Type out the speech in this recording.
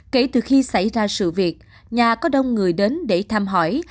kể từ khi xảy ra sự việc nhà có đông người đến để thăm hỏi